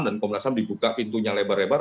dan komnas ham dibuka pintunya lebar lebar